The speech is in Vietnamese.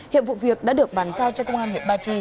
hiệp vụ việc đã được bàn cao cho công an huyện ba chi